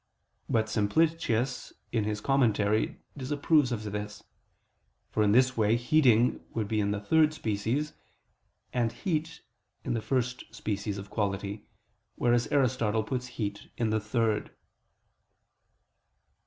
But Simplicius in his Commentary disapproves of this; for in this way heating would be in the third species, and heat in the first species of quality; whereas Aristotle puts heat in the third.